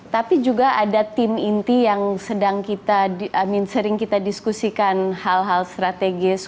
tapi juga ada tim inti yang sering kita diskusikan hal hal strategis